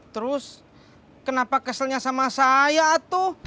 terus kenapa keselnya sama saya tuh